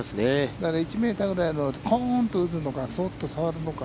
だから１メートルぐらいのコーンと打つのか、そうっと触るのか。